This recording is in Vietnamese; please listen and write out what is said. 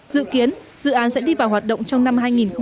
dự kiến dự án sẽ đi vào hoạt động trong năm hai nghìn một mươi tám